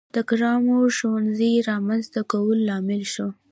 د ګرامر ښوونځیو رامنځته کولو لامل شو.